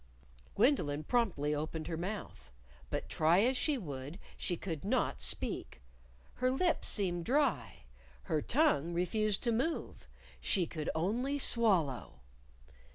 Gwendolyn promptly opened her mouth. But try as she would, she could not speak. Her lips seemed dry. Her tongue refused to move. She could only swallow!